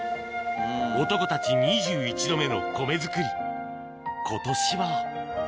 男たち２１度目の米作り